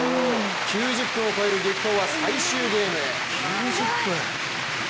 ９０分を超える激闘は最終ゲームへ。